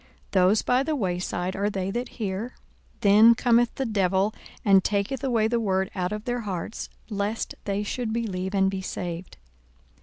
42:008:012 Those by the way side are they that hear; then cometh the devil, and taketh away the word out of their hearts, lest they should believe and be saved.